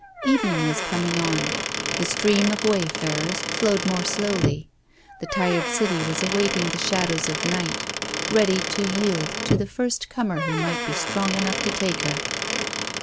Evening was coming on; the stream of wayfarers flowed more slowly; the tired city was awaiting the shadows of night, ready to yield to the first comer who might be strong enough to take her.